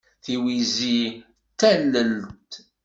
Tiwizi d tallelt.